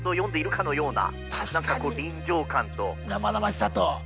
生々しさと。